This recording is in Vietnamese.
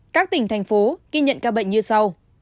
các tỉnh thành phố ghi nhận ca bệnh như sau